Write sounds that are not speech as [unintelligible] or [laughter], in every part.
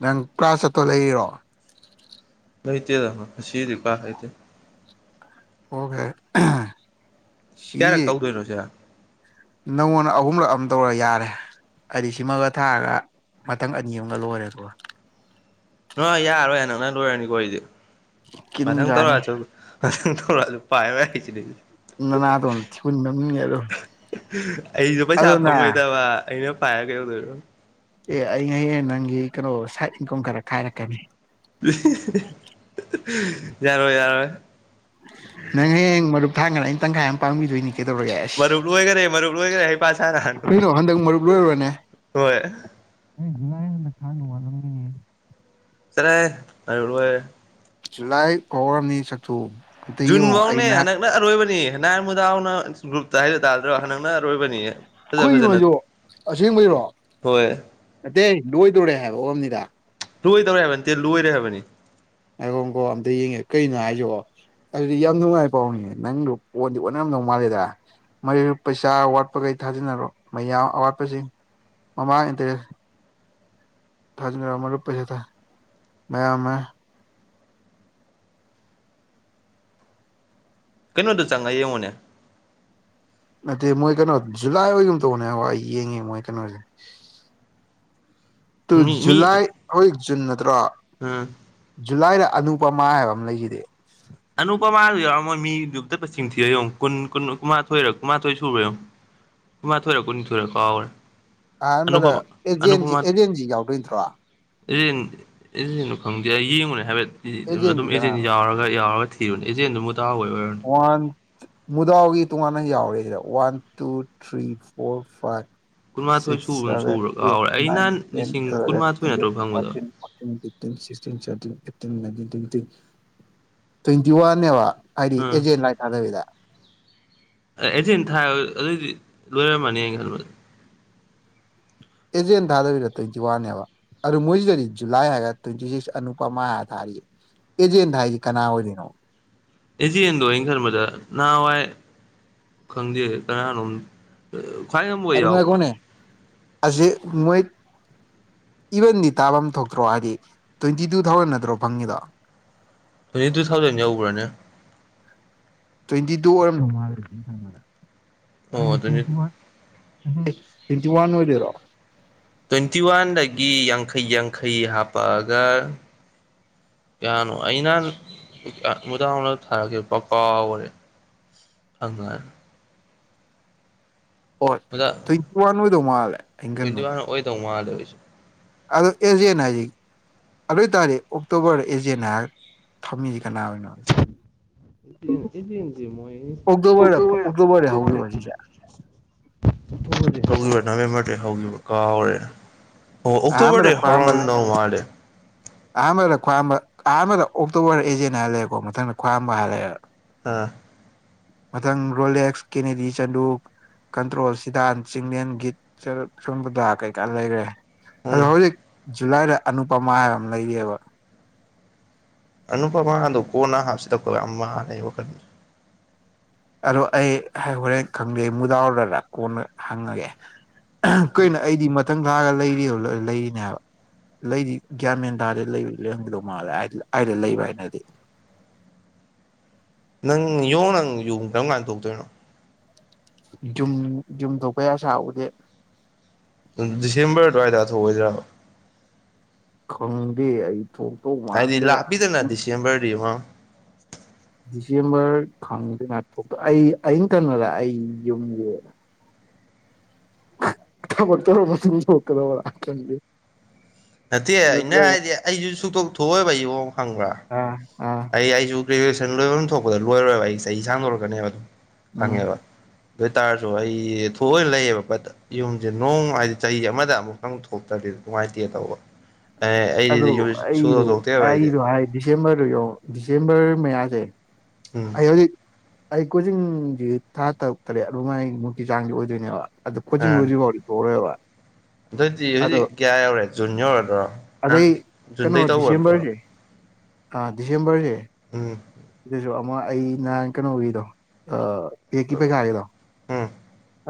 ꯅꯪ ꯀ꯭ꯂꯥꯁ ꯆꯠꯇꯧ ꯂꯩꯔꯤꯔꯣ ꯂꯩꯇꯦꯗ ꯉꯁꯤꯗꯤ ꯀ꯭ꯂꯥꯁ ꯂꯩꯇꯦ ꯑꯣꯀꯦ ꯀꯌꯔꯛ ꯇꯧꯗꯧꯢꯅꯣ ꯁꯤꯗ ꯅꯪꯉꯣꯟꯅ ꯑꯍꯨꯝꯂꯛꯑꯃ ꯇꯧꯔ ꯌꯥꯔꯦ ꯍꯥꯏꯗꯤ ꯁꯤꯃꯒ ꯊꯥꯔꯒ ꯃꯊꯪ ꯑꯅꯤ ꯑꯃꯒ ꯂꯣꯏꯔꯦ ꯑꯗꯨꯒ ꯅꯣꯏ ꯌꯥꯔꯔꯣꯏ ꯍꯟꯗꯛꯅ ꯂꯣꯏꯔꯅꯤ ꯑꯈꯣꯏꯗꯤ ꯃꯊꯪ ꯀꯤꯟꯖꯥꯅꯤ ꯇꯧꯔꯛꯑꯁꯨ ꯑꯗꯨꯝ ꯑꯗꯨꯝ ꯄꯥꯏꯔꯣꯏ ꯍꯥꯏꯁꯤꯗꯤ ꯅꯅꯥ ꯗꯣ ꯊꯤꯒꯨꯟꯗ ꯅꯝꯒꯦ ꯂꯥꯎ ꯑꯩꯁꯨ ꯄꯩꯁꯥ ꯐꯡꯉꯣꯏꯗꯕ ꯑꯩꯅ ꯄꯥꯏꯔ ꯀꯩꯗꯧꯗꯣꯏꯅꯣ ꯑꯦ ꯑꯩꯅ ꯍꯌꯦꯡ ꯅꯪꯒꯤ ꯀꯩꯅꯣ ꯁꯥꯏꯠ ꯏꯪꯈꯣꯝ ꯈꯔ ꯈꯥꯏꯔꯛꯀꯅꯤ ꯍꯦ ꯍꯦ ꯍꯦ ꯌꯥꯔꯣꯢ ꯌꯥꯔꯣꯏ ꯅꯪ ꯍꯌꯦꯡ ꯃꯔꯨꯞ ꯊꯥꯡꯒꯥꯟꯅꯗ ꯑꯩꯅ ꯇꯪꯈꯥꯏ ꯑꯃ ꯄꯥꯡꯕꯤꯗꯣꯏꯅꯤ ꯀꯩꯗꯧꯔꯒꯦ ꯑꯦꯁ ꯃꯔꯨꯞ ꯂꯣꯏꯈꯔꯦ ꯃꯔꯨꯞ ꯂꯣꯏꯈꯔꯦ ꯍꯩꯄꯥ ꯀꯩꯅꯣ ꯍꯟꯗꯛ ꯃꯔꯨꯞ ꯂꯣꯏꯔꯕꯅꯦ ꯂꯣꯢꯔꯦ [unintelligible] ꯆꯠꯔꯣꯍꯦ ꯃꯔꯨꯞ ꯂꯣꯏꯔꯦ ꯖꯨꯂꯥꯏ ꯑꯣ ꯅꯤ ꯁꯛꯊꯨ ꯖꯨꯟꯐꯧꯅꯦ ꯍꯟꯗꯛꯅ ꯑꯔꯣꯏꯕꯅꯤ ꯅꯍꯥꯟ ꯅꯥꯎꯅ ꯒ꯭ꯔꯨꯞꯇ ꯍꯥꯏꯗꯨ ꯇꯥꯗ꯭ꯔꯣ ꯍꯟꯗꯛꯅ ꯑꯔꯣꯏꯕꯅꯤ ꯐꯖ ꯀꯔꯤꯅꯣ ꯐꯖꯅ ꯍꯥꯏꯁꯤꯕꯣ ꯑꯁꯦꯡꯕꯩꯔꯣ ꯍꯣꯏ ꯅꯇꯦ ꯂꯣꯏꯗꯣꯔꯦ ꯍꯥꯏꯕ ꯑꯣꯏꯔꯝꯅꯤꯗ ꯂꯣꯏꯗꯧꯔꯦ ꯍꯥꯏꯕ ꯅꯠꯇꯦ ꯂꯣꯏꯔꯦ ꯍꯥꯏꯕꯅꯤ ꯉꯥꯏꯒꯣ ꯀꯣ ꯑꯝꯇ ꯌꯦꯡꯒꯦ ꯀꯩꯅꯣ ꯍꯥꯏꯁꯤꯕꯣ ꯑꯗꯨꯗꯤ ꯌꯥꯝ ꯅꯨꯡꯉꯥꯏ ꯄꯥꯎꯅꯦ ꯅꯪꯗꯣ ꯑꯣꯟꯗꯤ ꯑꯣꯟꯅꯔꯝꯗꯧ ꯃꯥꯜꯂꯤꯗ ꯃꯔꯨꯞ ꯄꯩꯁꯥ ꯑꯋꯥꯠꯄꯈꯩ ꯊꯥꯖꯤꯅꯔꯣ ꯃꯌꯥꯝ ꯑꯋꯥꯠꯄꯁꯤꯡ ꯃꯃꯥꯡꯗꯦ ꯊꯥꯖꯅꯔ ꯃꯔꯨꯞ ꯄꯩꯁ ꯊꯥ ꯃꯌꯥꯝꯅ ꯀꯩꯅꯣꯗ ꯆꯪꯉꯒ ꯌꯦꯡꯉꯨꯅꯦ ꯅꯠꯇꯦ ꯃꯣꯏ ꯀꯩꯅꯣ ꯖꯨꯂꯥꯏ ꯑꯣꯏꯒꯨꯝ ꯇꯧꯕꯅꯦ ꯉꯥꯏꯈꯣ ꯑꯩ ꯌꯦꯡꯉꯤꯒꯦ ꯃꯣꯏ ꯀꯩꯅꯣꯁꯤ ꯇꯨ ꯃꯤ ꯃꯤ ꯖꯨꯂꯥꯏ ꯍꯩꯖꯤꯛ ꯖꯨꯟ ꯅꯠꯇ꯭ꯔꯣ ꯎꯝ ꯖꯨꯂꯥꯏꯗ ꯑꯅꯨꯄꯃꯥ ꯍꯥꯏꯕ ꯑꯃ ꯂꯩꯁꯤꯗꯤ ꯑꯅꯨꯄꯥꯃꯥꯗꯣ ꯌꯥꯎꯔꯃꯣꯏ ꯃꯤ ꯗꯨꯃꯛꯇ ꯃꯁꯤꯡ ꯊꯤꯔ ꯌꯦꯡꯉꯣ ꯀꯨꯟ ꯀꯨꯟ ꯀꯨꯟꯃꯥꯊꯣꯏꯔꯣ ꯀꯨꯟꯃꯥꯊꯣꯏ ꯁꯨꯕ꯭ꯔ ꯌꯦꯡ ꯀꯨꯃꯥꯊꯣꯏꯔ ꯀꯨꯅꯤꯡꯊꯣꯏꯔ ꯀꯥꯎꯔꯦ ꯑꯍꯥꯟꯕꯗ ꯑꯦꯖꯦꯟꯖꯤ ꯑꯦꯖꯦꯟꯖꯤ ꯌꯥꯎꯗꯣꯏ ꯅꯠꯇ꯭ꯔꯣ ꯑꯦꯖꯦꯟ ꯑꯦꯖꯦꯟꯗꯣ ꯈꯪꯗꯦ ꯑꯩ ꯌꯦꯡꯉꯨꯅꯦ ꯍꯥꯏꯕꯦꯠ ꯑꯦꯖꯦꯟꯁꯤ ꯑꯗꯨꯝ ꯑꯦꯖꯦꯟ ꯀꯅꯥꯅꯣ ꯌꯥꯎꯔꯒ ꯌꯥꯎꯔꯒ ꯊꯤꯕꯅꯦ ꯑꯦꯖꯦꯟꯗꯨꯃ ꯇꯥꯍꯧꯕꯩ ꯑꯣꯏꯔꯝꯅꯤ ꯋꯥꯟ ꯃꯨꯗꯥꯎꯒꯤ ꯇꯣꯉꯥꯟꯅ ꯌꯥꯎꯔꯦꯁꯤꯗ one two three four five ꯀꯨꯟꯃꯥꯊꯣꯏ ꯁꯤꯛꯁ ꯁꯨꯕ꯭ꯔ ꯁꯚꯦꯟ ꯁꯨꯕ꯭ꯔꯥ ꯑꯦꯠ ꯀꯥꯎꯔꯦ ꯑꯩ ꯅꯥꯢꯟ ꯅꯍꯥꯟ ꯇꯦꯟ ꯂꯤꯁꯤꯡ ꯑꯦꯂꯚꯦꯟ ꯀꯨꯟꯃꯥꯊꯣꯏ ꯇꯨꯋꯦꯞ ꯅꯠꯇ꯭ꯔꯣ ꯐꯪꯕꯗꯣ ꯊꯔꯇꯤꯟ ꯐꯣꯔꯇꯤꯟ ꯐꯤꯞ ꯇꯦꯟꯇꯤꯁꯤꯁ ꯇꯤꯟꯁꯕꯇꯤꯟ ꯑꯦꯇꯤꯟ ꯅꯥꯏꯟꯇꯤꯟ ꯇꯣꯢꯟꯇꯤ ꯇꯣꯢꯟꯇꯤ ꯋꯥꯟꯅꯦꯕ ꯍꯥꯏꯗꯤ ꯑꯥ ꯑꯦꯖꯦꯟ ꯂꯥꯏ ꯊꯥꯗꯕꯤꯗ ꯑꯦꯖꯦꯟ ꯊꯥꯔ ꯑꯗꯨꯏꯗꯤ ꯂꯣꯏꯔ ꯃꯅꯤ ꯑꯩꯈꯟꯕꯗ ꯑꯦꯖꯦꯟ ꯊꯥꯗꯥꯥꯕꯤꯗ ꯇꯣꯢꯟꯇꯤ ꯋꯥꯟꯅꯦꯕ ꯑꯗꯣ ꯃꯣꯏꯁꯤꯗꯗꯤ ꯖꯨꯂꯥꯏ ꯍꯥꯏꯒ ꯇ꯭ꯋꯦꯟꯇꯤ ꯁꯤꯛꯁ ꯑꯅꯨꯄꯃꯥ ꯍꯥꯏ ꯊꯥꯔꯤ ꯑꯦꯖꯦꯟ ꯊꯥꯏꯖꯤ ꯀꯅꯥ ꯑꯣꯏꯔꯤꯅꯣ ꯑꯦꯖꯦꯟꯗꯣ ꯑꯩꯈꯟꯕꯗ ꯅꯍꯥꯋꯥꯏ ꯈꯪꯗꯦ ꯀꯅꯥꯅꯣꯝ ꯈ꯭ꯋꯥꯢꯌꯝꯕ ꯍꯣꯏ ꯌꯥꯎꯕ꯭ꯔꯣ ꯑꯥꯖꯦ ꯃꯣꯏ ꯏꯚꯟꯗꯤ ꯇꯥꯕꯝ ꯊꯣꯛꯇ꯭ꯔꯣ ꯍꯥꯏꯗꯤ ꯇ꯭ꯋꯦꯟꯇꯤ ꯇꯨ ꯊꯥꯎꯖꯟ ꯅꯠꯇ꯭ꯔꯣ ꯐꯪꯉꯤꯗꯣ ꯇ꯭ꯋꯦꯟꯇꯤꯇꯨ ꯊꯥꯎꯖꯟ ꯌꯧꯕ꯭ꯔꯅꯦ ꯇ꯭ꯋꯦꯟꯇꯤ ꯇꯨ ꯑꯣꯏꯔꯝꯗꯧ ꯃꯥꯜꯂꯦ ꯑꯩꯗꯤ ꯑꯣ ꯇ꯭ꯋꯦꯟꯇꯤ ꯇꯣꯢꯟꯇꯤꯋꯥꯟ ꯑꯩ ꯇ꯭ꯋꯦꯟꯇꯤ ꯋꯥꯟ ꯑꯣꯏꯗꯣꯢꯔꯣ ꯇ꯭ꯋꯦꯟꯇꯤ ꯋꯥꯟꯗꯒꯤ ꯌꯥꯡꯈꯩ ꯌꯥꯡꯈꯩ ꯍꯥꯞꯄꯛꯑꯒ ꯀꯌꯥꯅꯣ ꯑꯩ ꯅꯍꯥꯟ ꯑꯥ ꯃꯨꯗꯥꯥꯎꯟꯗ ꯊꯥꯔꯛꯈꯤꯕ ꯄ ꯀꯥꯎꯒ꯭ꯔꯦ ꯑꯉꯥꯟ ꯍꯣꯏ [unintelligible] ꯇ꯭ꯋꯦꯟꯇꯤ ꯋꯥꯟ ꯑꯣꯏꯗꯧ ꯃꯥꯜꯂꯦ ꯑꯩꯅ ꯇ꯭ꯋꯦꯟꯇꯤ ꯈꯟꯕꯗ ꯋꯥꯟ ꯑꯣꯏꯗꯧ ꯃꯥꯜꯂꯦ ꯑꯩꯁꯨ ꯑꯗꯣ ꯑꯦꯖꯦꯟ ꯅꯥꯏꯔꯤ ꯑꯗꯨ ꯑꯣꯏꯇꯥꯗꯤ ꯑꯣꯛꯇꯣꯕ꯭ꯔꯗ ꯑꯦꯖꯦꯟꯅꯦ ꯍꯥꯏꯔ ꯊꯝꯃꯤꯖꯤ ꯀꯅꯥ ꯑꯣꯢꯅꯣ ꯑꯦꯖꯦꯟ ꯗꯦ ꯃꯣꯏ ꯑꯣꯛꯇꯣꯕꯔꯗ ꯑꯣꯛꯇꯣꯕ꯭ꯔꯅꯦ ꯑꯣꯛꯇꯣꯕꯔꯗ ꯑꯣꯛꯇꯣꯕ꯭ꯔꯅꯦ ꯍꯧꯈꯤꯕ ꯁꯤꯁꯦ ꯍꯧꯈꯤꯕ ꯅꯕꯦꯝꯕ꯭ꯔꯗꯒꯤ ꯍꯧꯈꯤꯕ ꯀꯥꯎ ꯔꯦ ꯑꯣ ꯑꯍꯥꯟꯕꯗ ꯑꯣꯛꯇꯣꯕ꯭ꯔꯗꯩ ꯈ꯭ꯋꯥꯏꯔꯝꯕ ꯍꯧꯔꯝꯗꯧ ꯃꯥꯜꯂꯦ ꯑꯍꯥꯟꯕꯗ ꯈ꯭ꯋꯥꯝꯕ ꯑꯍꯥꯟꯕꯗ ꯑꯣꯛꯇꯣꯕ꯭ꯔ ꯑꯦꯖꯦꯟ ꯍꯥꯏ ꯂꯩꯀꯣ ꯃꯊꯪꯗ ꯈ꯭ꯋꯥꯝꯕ ꯍꯥ ꯂꯩꯔꯦ ꯑꯥ ꯃꯊꯪ ꯔꯣꯂꯦꯛꯁ ꯀꯦꯅꯦꯗꯤ ꯆꯅꯨ ꯀꯟꯇ꯭ꯔꯣꯜ ꯁꯤꯗꯥꯟ ꯆꯤꯡꯂꯦꯟ ꯒꯤꯠ [unintelligible] ꯀꯩꯀꯥ ꯂꯩꯔꯦ ꯑꯗꯣ ꯎꯝ ꯍꯧꯖꯤꯛ ꯖꯨꯂꯥꯏꯗ ꯑꯅꯨꯄꯃꯥ ꯍꯥꯏꯕ ꯑꯃ ꯂꯩꯔꯤꯑꯕ ꯑꯅꯨꯄꯥꯃꯥꯗꯣ ꯀꯣꯟꯅ ꯍꯥꯞꯁꯤꯗ [unintelligible] ꯑꯗꯣ ꯑꯩ ꯍꯣꯔꯦꯟ ꯈꯪꯗꯦ ꯃꯨꯗꯥꯎꯔꯔꯥ ꯀꯣꯟꯅ ꯍꯪꯉꯒꯦ ꯀꯩꯅꯣ ꯑꯩꯗꯤ ꯃꯊꯪ ꯊꯥꯒ ꯂꯩꯔꯤ ꯂꯩꯔꯤꯅꯦ ꯍꯥꯏꯕ ꯂꯩꯗꯤ ꯒ꯭ꯌꯥꯟ ꯃꯦꯟꯇꯥꯗꯦ ꯂꯩ [unintelligible] ꯂꯩꯕ ꯍꯥꯏꯅꯗꯤ ꯫ [inaudible] ꯅꯪ ꯌꯣꯡ ꯅꯪ ꯌꯨꯝ ꯀꯔꯝ ꯀꯥꯟ ꯊꯣꯛꯇꯣꯏꯅꯣ ꯨꯖꯨꯝ ꯌꯨꯝ ꯊꯣꯛꯄꯩ ꯑꯁꯥ ꯎꯗꯦ ꯎꯝ ꯗꯤꯁꯦꯝꯕ꯭ꯔ ꯑꯗꯨꯋꯥꯏꯗ ꯊꯣꯛꯑꯣꯏꯗ꯭ꯔꯥꯕ ꯈꯪꯗꯦ ꯑꯩ ꯊꯣꯛ ꯍꯥꯏꯗꯤ ꯂꯥꯞꯄꯤꯗꯅ ꯗꯤꯁꯦꯝꯕ꯭ꯔꯗꯤ ꯃ ꯗꯤꯁꯦꯝꯕ꯭ꯔ ꯈꯪꯗꯦ ꯉꯥꯏꯈꯣ ꯑꯝꯇꯥ ꯑꯩ ꯑꯩꯌꯤꯡ ꯀꯅꯣꯗ ꯑꯩ ꯌꯨꯝꯒꯤ [inaudible] ꯊꯕꯛ ꯇꯧꯔꯕ ꯌꯨꯝꯊꯣꯛꯇꯅꯕ ꯈꯪꯗꯦ ꯅꯠꯇꯦ ꯑꯩꯅ ꯅꯠꯇ꯭ꯔꯒ ꯍꯥꯏꯗꯤ ꯑꯩꯁꯨ ꯁꯨꯛꯇꯣꯛ ꯊꯣꯛꯑꯣꯏꯕ ꯌꯣꯡ ꯈꯪꯕ꯭ꯔꯥ ꯑꯥ ꯑꯥ ꯑꯩ ꯑꯩꯖꯨ ꯒ꯭ꯔꯦꯖꯨꯑꯦꯁꯟ ꯂꯣꯏꯕꯝ ꯊꯣꯛꯄꯗꯣ ꯂꯣꯏꯔꯣꯏꯕ ꯑꯩ ꯆꯍꯤ ꯁꯥꯡꯗꯣꯔꯛꯀꯅꯦꯕ ꯎꯝ ꯈꯪꯉꯦꯕ ꯑꯗꯨ ꯑꯣꯏꯇꯥꯔꯖꯨ ꯑꯩ ꯊꯣꯛꯑꯣꯏꯅ ꯂꯩꯌꯦꯕ ꯕꯠ ꯌꯨꯝꯖꯦ ꯅꯣꯡ ꯍꯥꯏꯗꯤ ꯆꯍꯤ ꯑꯃꯗ ꯑꯃꯨꯛꯇꯪ ꯊꯣꯛꯇꯗꯤ ꯅꯨꯡꯉꯥꯏꯇꯦ ꯇꯧꯕ ꯑꯦ ꯑꯗꯨ ꯑꯩꯗꯤ ꯌꯨꯝ ꯁꯨꯊꯣꯛ ꯑꯩꯗꯨ ꯊꯣꯛꯇꯦꯕ ꯑꯩꯗꯤ ꯑꯩꯗꯨ ꯍꯥꯏ ꯗꯤꯁꯦꯝꯕ꯭ꯔ ꯌꯧ ꯗꯤꯁꯦꯝꯕ꯭ꯔ ꯃꯌꯥꯖꯦ ꯎꯝ ꯑꯩ ꯍꯧꯖꯤꯛ ꯑꯩ ꯀꯣꯆꯤꯡꯖꯤ ꯊꯥ ꯇꯔꯨꯛ ꯇꯔꯦꯠ ꯑꯗꯨꯃꯥꯏ ꯃꯨꯛꯀꯤ ꯆꯥꯡꯗꯤ ꯑꯣꯏꯗꯣꯏꯅꯦꯕ ꯑꯗꯨ ꯀꯣꯆꯤꯡ ꯑꯥ ꯂꯣꯏꯗ꯭ꯔꯤꯕꯥꯎꯗꯤ ꯊꯣꯛꯑꯔꯣꯏꯕ ꯑꯗꯨꯑꯣꯏꯗꯤ ꯑꯗꯣ ꯍꯧꯖꯤꯛ ꯀꯌꯥ ꯌꯧꯔꯦ ꯖꯨꯟ ꯌꯧꯔꯗ꯭ꯔꯣ ꯅꯪ ꯑꯗꯩ ꯀꯩꯅꯣ ꯖꯨꯟꯗꯩ ꯇꯧꯒꯗ꯭ꯔꯣ ꯗꯤꯁꯦꯝꯕ꯭ꯔꯖꯦ ꯑꯥ ꯗꯤꯁꯦꯝꯕ꯭ꯔꯖꯦ ꯎꯝ ꯁꯤꯗꯖꯨ ꯑꯃ ꯑꯩ ꯅꯍꯥꯟ ꯀꯩꯅꯣꯒꯤꯗꯣ ꯑꯥ ꯄꯦꯛꯀꯤ ꯄꯩꯈꯥꯒꯤꯗꯣ ꯎꯝ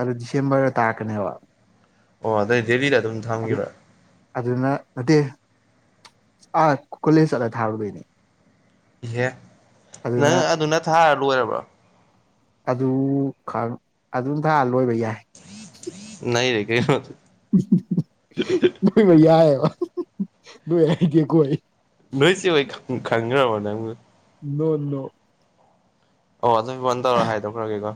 ꯑꯗꯨ ꯗꯤꯁꯦꯝꯕ꯭ꯔꯗ ꯇꯥꯔꯛꯀꯅꯦꯕ ꯑꯣ ꯑꯗꯩ ꯗꯦꯜꯂꯤꯗ ꯑꯗꯨꯝ ꯑꯗꯨ ꯊꯝꯒꯤꯕ꯭ꯔꯥ ꯑꯗꯨꯅ ꯅꯠꯇꯦ ꯑꯥ ꯀꯣꯂꯦꯖ ꯆꯠꯂꯒ ꯊꯥꯔꯨꯗꯣꯏꯅꯦ ꯏꯍꯦ ꯅꯪ ꯑꯗꯨꯅ ꯊꯥꯔ ꯂꯣꯏꯔꯕ꯭ꯔꯣ ꯑꯗꯨ ꯈꯪ ꯑꯗꯨꯝ ꯊꯥ ꯂꯣꯏꯕ ꯌꯥꯏ ꯅꯩꯔꯦ ꯀꯩꯅꯣ [unintelligible] ꯅꯩꯕ ꯌꯥꯏꯌꯦꯕ [unintelligible] ꯅꯣꯏ ꯍꯩꯒꯦꯀꯣ ꯑꯩ ꯅꯣꯏꯆꯦꯍꯣꯏ ꯈꯪ ꯈꯪꯒ꯭ꯔꯕꯣ ꯅꯪꯕꯨ ꯅꯣꯅꯣ ꯑꯣ ꯑꯗꯨ ꯐꯣꯟ ꯇꯧꯔꯒ ꯍꯥꯏꯗꯣꯛꯈ꯭ꯔꯒꯦꯀꯣ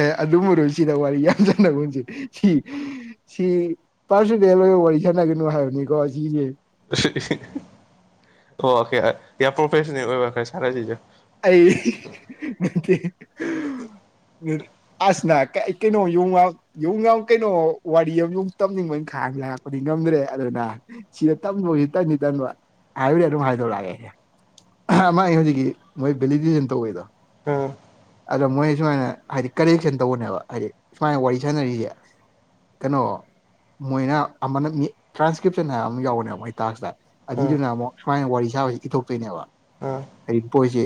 ꯑꯦ ꯑꯗꯨꯝꯃꯔꯣꯏ ꯁꯤꯗ ꯋꯥꯔꯤ ꯌꯥꯝ ꯁꯥꯟꯅꯒꯨꯝꯖꯤ ꯁꯤ ꯁꯤ ꯄꯔꯁꯨꯅꯦꯜ ꯑꯣꯕ ꯋꯥꯔꯤ ꯁꯥꯟꯅꯒꯅꯨ ꯍꯥꯏꯕꯅꯤꯀꯣ ꯁꯤꯖꯦ [unintelligible] ꯑꯣꯀꯦ ꯌꯥꯝ ꯄ꯭ꯔꯣꯐꯦꯁꯟꯅꯦꯜ ꯑꯣꯏꯕ ꯈꯔ ꯁꯥꯟꯅꯁꯤꯁꯦ ꯑꯩ [unintelligible] ꯑꯁꯅ ꯀꯩ ꯀꯩꯅꯣ ꯌꯣꯡꯅꯥꯎ ꯌꯣꯡꯅꯥꯎ ꯀꯩꯅꯣ ꯋꯥꯔꯤ ꯑꯃꯌꯧ ꯇꯝꯅꯤꯡꯕꯅꯤ ꯈꯥꯡ ꯂꯥꯛꯄꯅꯤ ꯉꯝꯗ꯭ꯔꯦ ꯑꯗꯨꯅ ꯁꯤꯗ ꯇꯝꯂꯣꯏ ꯇꯟꯗꯤ ꯇꯟꯕ ꯍꯥꯏꯕꯅꯤ ꯑꯗꯨꯝ ꯍꯥꯏꯗꯣꯔꯛꯑꯒꯦ ꯑꯍꯥ ꯃꯥꯏ ꯍꯧꯖꯤꯛꯀꯤ ꯃꯣꯏ ꯚꯦꯂꯤꯗꯤꯁꯟ ꯇꯧꯕꯩꯗꯣ ꯎꯝ ꯑꯗꯣ ꯃꯣꯏ ꯁꯨꯃꯥꯏꯅ ꯍꯥꯏꯗꯤ ꯀꯔꯦꯛꯁꯟ ꯇꯧꯕꯅꯦꯕ ꯍꯥꯏꯗꯤ ꯁꯨꯃꯥꯏꯅ ꯋꯥꯔꯤ ꯁꯥꯟꯅꯔꯤꯖꯦ ꯀꯩꯅꯣ ꯃꯣꯏꯅ ꯑꯃꯅ ꯃꯤ ꯇ꯭ꯔꯥꯟꯁꯀ꯭ꯔꯤꯞꯁꯟ ꯍꯥꯏ ꯑꯃ ꯌꯥꯎꯕꯅꯦꯕ ꯃꯣꯏ ꯇꯥꯛꯁꯇ ꯎꯝ ꯑꯗꯨꯏꯗꯨꯅ ꯑꯃꯨꯛ ꯁꯨꯃꯥꯏꯅ ꯋꯥꯔꯤ ꯁꯥꯕꯁꯤ ꯏꯊꯣꯛꯇꯣꯏꯅꯦꯕ ꯑꯣ ꯑꯣꯏꯁꯤ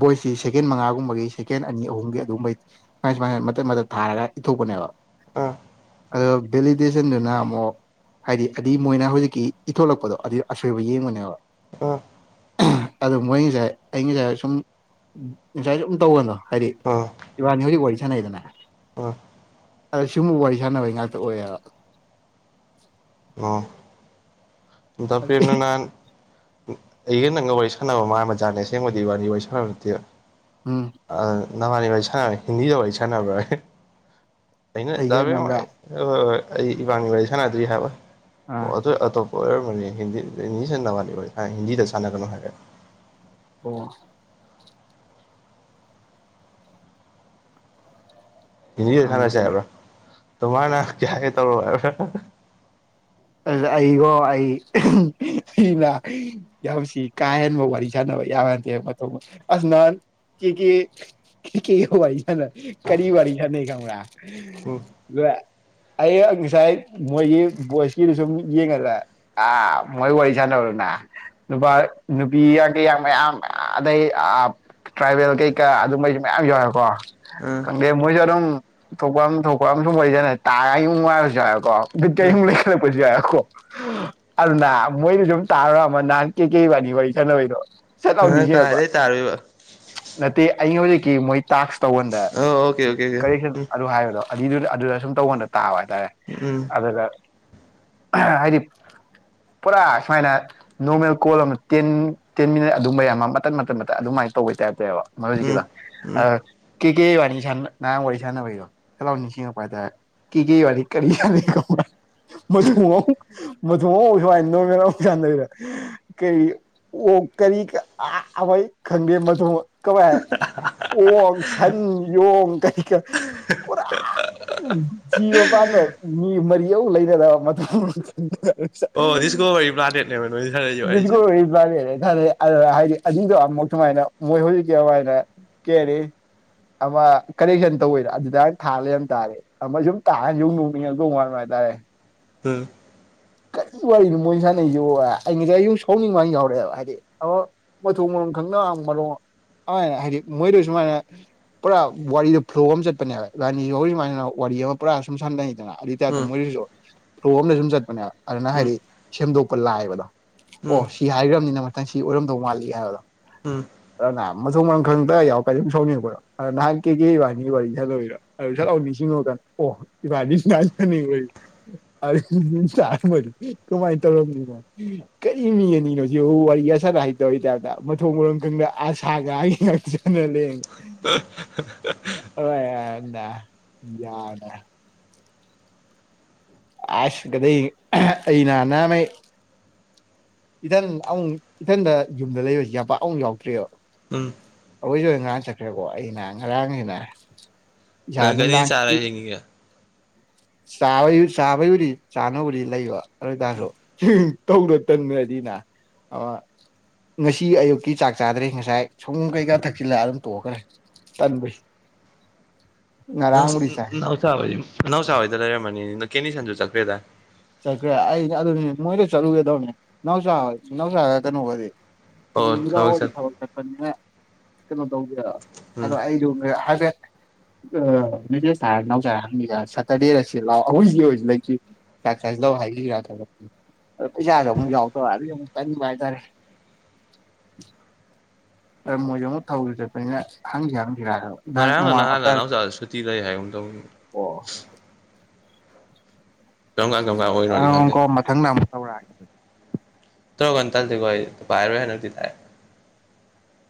ꯚꯣꯏꯁꯁꯤ ꯁꯦꯀꯦꯟ ꯃꯉꯥꯒꯨꯝꯕꯒꯤ ꯁꯦꯀꯦꯟ ꯑꯅꯤ ꯑꯍꯨꯝꯒꯤ ꯑꯗꯨꯒꯨꯝꯕꯒꯤ ꯁꯨꯃꯥꯏ ꯁꯨꯃꯥꯏꯅ ꯃꯇꯠ ꯃꯇꯠ ꯊꯥꯔꯒ ꯏꯊꯣꯛꯄꯅꯦꯕ ꯑꯣ ꯑꯗꯣ ꯚꯦꯂꯤꯗꯦꯁꯟꯗꯨꯅ ꯑꯃꯨꯛ ꯍꯥꯏꯗꯤ ꯑꯗꯤ ꯃꯣꯏꯅ ꯍꯧꯖꯤꯛꯀꯤ ꯏꯊꯣꯂꯛꯄꯗꯣ ꯑꯗꯨ ꯑꯁꯣꯏꯕ ꯌꯦꯡꯉꯕꯅꯦꯕ [unintelligible] ꯑꯩ ꯉꯁꯥꯏ ꯁꯨꯝ ꯑꯦꯟꯖꯥꯏ ꯁꯨꯝ ꯇꯧꯕꯗꯣ ꯍꯥꯏꯗꯤ ꯎꯝ ꯏꯕꯅꯤ ꯍꯧꯖꯤꯛ ꯋꯥꯔꯤ ꯁꯥꯅꯩꯗꯅ ꯎꯝ ꯑꯗ ꯁꯨꯝꯕ ꯋꯥꯔꯤ ꯁꯥꯟꯅꯕꯩ ꯉꯥꯛꯇ ꯑꯣꯏꯌꯦꯕ ꯑꯣ ꯗꯥ ꯄ꯭ꯔꯦꯝ ꯅꯪ ꯅꯥꯟ ꯑꯩꯒ ꯅꯪꯒ ꯋꯥꯔꯤ ꯁꯥꯟꯅꯕ ꯃꯥꯟꯕ ꯖꯥꯠꯅꯦ ꯑꯁꯦꯡꯕꯗꯤ ꯏꯕꯥꯅꯤ ꯋꯥꯔꯤ ꯁꯥꯟꯅꯕ ꯅꯠꯇꯦ ꯎꯝ ꯑꯥ ꯅꯕꯥꯟꯅꯤ ꯋꯥꯔꯤ ꯁꯥꯟꯅꯕ ꯍꯤꯟꯗꯤꯗ ꯋꯥꯔꯤ ꯁꯥꯟꯅꯕ꯭ꯔꯥ ꯑꯩꯅ ꯑꯩꯒ ꯗꯥꯕꯦꯝ ꯅꯪꯒ ꯑꯥ ꯑꯩ ꯏꯕꯥꯅꯤ ꯋꯥꯔꯤ ꯁꯥꯟꯅꯗ꯭ꯔꯤ ꯍꯥꯏꯕ ꯑꯣ ꯑꯥ ꯑꯗꯨ ꯑꯇꯣꯞ ꯍꯣꯏ ꯑꯣꯏꯔꯝꯃꯅꯤ ꯍꯤꯟꯗꯤ ꯍꯤꯟꯗꯤ ꯁꯥꯟꯅ ꯋꯥꯔꯤ ꯍꯣꯏ ꯍꯤꯟꯗꯤꯗ ꯁꯥꯟꯅꯒꯅꯨ ꯍꯥꯏꯔꯦ ꯑꯣ ꯍꯤꯟꯗꯤꯗ ꯁꯥꯟꯅꯁꯦ ꯈꯪꯗꯦꯅꯦ ꯍꯥꯏꯕ꯭ꯔꯥ ꯇꯨꯝꯍꯔ ꯅꯥꯝ ꯀꯤꯌꯥꯍꯦ ꯇꯧꯔꯣ ꯍꯥꯏꯕ꯭ꯔꯥ ꯑ ꯑꯩꯒꯣ ꯑꯩ ꯁꯤꯅ ꯌꯥꯝꯁꯤ ꯀꯥ ꯍꯦꯟꯕ ꯋꯥꯔꯤ ꯁꯥꯟꯅꯕ [unintelligible] ꯀꯔꯤ ꯋꯥꯔꯤ ꯁꯥꯅꯩ ꯈꯪꯕ꯭ꯔꯥ ꯎꯝ [unintelligible] ꯑꯩꯅ ꯉꯁꯥꯏ ꯃꯣꯏꯒꯤ ꯕꯣꯏꯁ [unintelligible] ꯃꯌꯥꯝ ꯑꯥꯗꯩ ꯑꯥ ꯇ꯭ꯔꯥꯏꯕꯦꯜ ꯀꯩꯀꯥ ꯑꯗꯨꯝꯕꯩꯁꯨ ꯃꯌꯥꯝ ꯌꯥꯎꯋꯦꯕꯀꯣ ꯎꯝ ꯈꯪꯗꯦ ꯃꯣꯏꯖꯨ ꯑꯗꯨꯝ ꯊꯣꯛꯄꯝ ꯊꯣꯛꯄꯝ ꯑꯃ ꯁꯨꯝ ꯋꯥꯔꯤ ꯁꯥꯅꯩ ꯎꯝ [unintelligible] [unintelligible] ꯑꯗꯨꯅ ꯃꯣꯏꯗ ꯁꯨꯝ ꯇꯥꯔꯨꯔ ꯅꯍꯥꯟ ꯀꯦꯀꯦ ꯏꯕꯥꯅꯤ ꯋꯥꯔꯤ ꯁꯅꯥꯕꯩꯗꯣ ꯅꯪꯅ ꯀꯔꯥꯏꯗꯩꯩ ꯇꯔꯨꯏꯕ ꯇꯦ ꯑꯩꯉꯣꯟꯗꯒꯤ ꯃꯣꯏ ꯇꯥꯛꯁ ꯇꯧꯍꯟꯗ ꯑꯣ ꯑꯣꯀꯦ ꯑꯣꯀꯦ ꯑꯣꯀꯦ ꯀꯔꯦꯛꯁꯟ ꯎꯝ ꯑꯗꯨ ꯍꯥꯏꯔꯒ ꯒꯤ ꯑꯗꯨꯗ ꯁꯨꯝ ꯇꯧꯉꯣꯟꯗ ꯇꯥꯕ ꯍꯥꯏꯇꯥꯔꯦ ꯎꯝ ꯑꯗꯨꯒ ꯑꯍꯥ ꯍꯥꯏꯗꯤ ꯄꯨꯔꯥ ꯁꯨꯃꯥꯏꯅ ꯅꯣꯔꯃꯦꯜ ꯀꯣꯜ ꯑꯃ ꯇꯦꯟ ꯇꯦꯟ ꯃꯤꯅꯠ ꯑꯗꯨꯝꯕꯌꯥꯝ ꯑꯃ ꯃꯇꯠ ꯃꯇꯠ ꯑꯗꯨꯃꯥꯏꯅ ꯇꯧꯕꯩ ꯇꯥꯏꯞꯅꯦꯕ ꯎꯝ ꯃꯔꯨꯖꯤꯀꯤꯗꯣ ꯎꯝ ꯑꯥ ꯀꯦꯀꯦ ꯋꯥꯅꯤ ꯁꯥꯟꯅ ꯅꯍꯥꯟ ꯋꯥꯔꯤ ꯁꯥꯟꯅꯕꯩꯗꯣ ꯁꯠ ꯂꯥꯎ ꯅꯤꯡꯁꯤꯡꯉꯛꯄ ꯍꯥꯏꯇꯔꯦ ꯀꯦꯀꯦ ꯋꯔꯤ ꯀꯔꯤ ꯁꯥꯟꯅꯩꯅꯣ [unintelligible] ꯑꯣ ꯀꯔꯤ ꯑꯥ ꯑꯩꯈꯣꯏ ꯈꯪꯗꯦ ꯃꯊꯣꯡ ꯀꯃꯥꯏ ꯍꯥꯏ ꯑꯣꯛ ꯁꯟ ꯌꯣꯡ ꯀꯔꯤ ꯀꯥꯔ ꯄꯨꯔꯥ ꯖꯤꯕ ꯄꯥꯟꯕ ꯃꯤ ꯃꯔꯤ ꯑꯃꯨꯛ ꯂꯩꯅꯗꯕ ꯃꯊꯪꯡ ꯃꯔꯤ ꯆꯠꯂꯤ [unintelligible] ꯑꯥ ꯍꯥꯏꯗꯤ ꯑꯅꯤꯗꯣ ꯃꯧꯁꯨꯃꯥꯏꯅ ꯃꯣꯏ ꯃꯔꯤꯒꯤ ꯑꯗꯨꯃꯥꯏꯅ ꯀꯦꯜꯂꯤ [unintelligible] ꯂꯛꯑꯦ ꯎꯝ ꯀꯔꯤ ꯋꯥꯔꯤꯅꯣ ꯃꯣꯏ ꯁꯥꯅꯩꯁꯤꯕꯣ ꯑꯩ ꯉꯁꯥꯏ ꯌꯨꯝ ꯁꯥꯎꯅꯤꯡꯉ ꯌꯥꯎꯔꯛꯑꯦꯕ ꯍꯥꯏꯗꯤ ꯃꯊꯣꯡ [unintelligible] ꯄꯨꯔꯥ ꯋꯥꯔꯤꯗꯣ ꯐ꯭ꯂꯣ ꯑꯃ ꯆꯠꯄꯅꯦꯕ ꯏꯕꯥꯅꯤ ꯍꯧꯔꯤꯃꯥꯏꯅ ꯋꯥꯔꯤ ꯑꯃ ꯄꯨꯔꯥ ꯁꯨꯝ ꯁꯥꯟꯅꯩꯗꯅ ꯑꯗꯨ ꯇꯥꯏꯞꯇ ꯎꯝ ꯃꯣꯏ ꯐ꯭ꯂꯣ ꯑꯃꯗꯤ ꯆꯠꯄꯅꯦꯕ ꯑꯗꯨꯅ ꯎꯝ ꯍꯥꯏꯗꯤ ꯁꯦꯝꯗꯣꯛꯄ ꯂꯥꯏꯕꯗꯣ ꯎꯝ ꯑꯣ ꯁꯤ ꯍꯥꯏꯈ꯭ꯔꯕꯅꯤꯅ ꯃꯊꯪ ꯁꯤ ꯑꯣꯏꯔꯝꯗꯧ ꯃꯥꯜꯂꯤ ꯍꯥꯏꯕꯗꯣ ꯎꯝ ꯃꯊꯣꯡ ꯃꯔꯝ ꯈꯪꯗ ꯌꯥꯎꯀ ꯑꯗꯨꯝ ꯁꯧꯅꯤꯡ ꯉꯛꯄꯗꯣ ꯅꯍꯥꯟ ꯀꯦꯀꯦ ꯏꯕꯥꯅꯤ ꯋꯥꯔꯤ ꯁꯅꯕꯩꯗꯣ [unintelligible] ꯀꯃꯥꯏꯅ ꯇꯧꯔꯕꯝꯅꯤꯅꯣ ꯀꯔꯤ ꯃꯤ ꯍꯥꯏꯅꯤꯅꯣꯖꯤꯛꯕꯨ ꯋꯥꯔꯤ ꯑꯁꯥꯗ ꯍꯥꯏꯇꯧꯔꯤ ꯇꯥꯏꯞꯇ ꯃꯊꯣꯡ ꯃꯔꯝ ꯈꯪꯗ ꯑꯁꯥꯒ ꯌꯥꯝ ꯆꯥꯟꯅ ꯂꯩ [unintelligible] [unintelligible] [unintelligible] ꯏꯊꯟ ꯑꯃꯨꯛ ꯏꯊꯟꯗ ꯌꯨꯝꯗ ꯂꯩꯕꯁꯤ ꯌꯥꯄꯥꯛ ꯑꯃꯨꯛ ꯌꯥꯎꯗ꯭ꯔꯦꯑꯕ ꯎꯝ ꯑꯩꯈꯣꯏꯁꯨ ꯉꯔꯥꯡ ꯆꯠꯈ꯭ꯔꯦꯀꯣ ꯑꯩꯅ ꯉꯔꯥꯡꯁꯤꯅ ꯏꯁꯥ ꯅꯪ ꯀꯔꯤ ꯆꯥꯔ ꯅꯨꯡꯉꯥꯏꯀꯤ ꯍꯤꯡꯉꯤꯒꯦ ꯆꯥꯕ ꯆꯥꯕꯩꯕꯨꯗꯤ ꯆꯥꯅꯕꯕꯨꯗꯤ ꯂꯩꯕ ꯑꯗꯨ ꯑꯣꯏꯇꯥꯔꯁꯨ ꯇꯧꯗꯣ ꯇꯟꯗ꯭ꯔꯗꯤ ꯑꯥ ꯉꯁꯤ ꯑꯌꯨꯛꯀꯤ ꯆꯥꯛ ꯆꯥꯗ꯭ꯔꯤ ꯉꯁꯥꯏ ꯁꯣꯒꯣꯝ ꯀꯩꯀꯥ ꯊꯛꯆꯜꯂꯒ ꯑꯗꯨꯝ ꯇꯣꯛꯑꯈ꯭ꯔꯦ ꯇꯟꯕꯁꯤ ꯅꯪꯁꯨ ꯅꯥꯎꯆ ꯅꯥꯎꯆꯍꯣꯏꯗ ꯂꯩꯔꯝꯃꯅꯤ ꯀꯦꯕꯤꯁꯟꯍꯣꯏꯁꯨ ꯆꯠꯈ꯭ꯔꯦꯗ ꯆꯠꯈ꯭ꯔꯦ ꯑꯩ ꯑꯗꯨꯅꯤ ꯃꯣꯏꯗ ꯆꯠꯂꯨꯒꯦ ꯇꯧꯕꯅꯤ ꯅꯥꯎꯆꯥ ꯅꯥꯎꯆꯥ ꯅꯠꯇꯅ ꯋꯥꯔꯤ ꯑꯣ ꯎꯝ ꯅꯨꯒꯥꯥ ꯑꯣꯏꯗꯤ ꯆꯠ ꯊꯕꯛ ꯆꯠꯄꯅꯤꯅ ꯀꯩꯅꯣ ꯇꯧꯗꯦꯕ ꯎꯝ [unintelligible] ꯃꯦꯁꯦꯁ ꯊꯥꯔ ꯅꯥꯎꯆꯗ ꯍꯪꯁꯤꯔ ꯁꯦꯇꯔꯗꯦꯗ ꯁꯤꯗ ꯂꯛꯑꯣ ꯑꯩꯈꯣꯏꯆꯦ ꯑꯣꯏꯁꯨ ꯂꯩꯇ꯭ꯔꯤ ꯆꯛ ꯆꯁꯤꯂꯥꯎ ꯍꯥꯏꯔꯗꯤ ꯊꯣꯛꯂꯛꯄꯅꯦ [unintelligible] ꯃꯣꯖꯨ ꯑꯃꯨꯛ ꯊꯕꯛ ꯆꯠꯄꯅꯤꯅ ꯍꯪꯅꯤꯉꯝ ꯉꯔꯥꯡꯂ ꯅꯍꯥꯟꯂ ꯅꯥꯎꯆꯥ ꯁꯨꯇꯤ ꯂꯩ ꯍꯥꯏꯒꯨꯝ ꯇꯧꯕꯅꯤ [unintelligible] ꯀꯔꯝ ꯀꯥꯟ ꯀꯔꯝ ꯀꯥꯟ ꯑꯣꯏꯔꯤꯅꯣꯗꯤ ꯑꯥ ꯈꯪꯗꯦ ꯀꯣ ꯃꯊꯪ ꯑꯃꯨꯛ ꯇꯧꯔꯒꯦ [unintelligible]